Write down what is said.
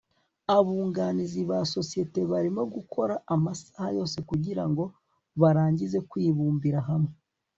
abunganizi ba sosiyete barimo gukora amasaha yose kugirango barangize kwibumbira hamwe